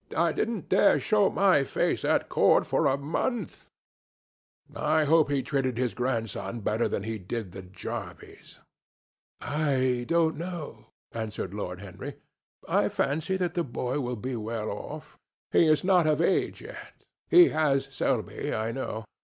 I didn't dare show my face at Court for a month. I hope he treated his grandson better than he did the jarvies." "I don't know," answered Lord Henry. "I fancy that the boy will be well off. He is not of age yet. He has Selby, I know.